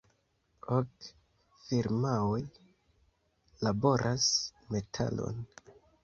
Ok firmaoj laboras metalon.